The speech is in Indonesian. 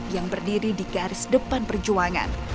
yang berdiri di garis depan perjuangan